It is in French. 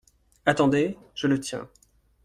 Attendez, je le tiens.